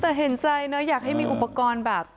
แต่เห็นใจนะอยากให้มีอุปกรณ์แบบ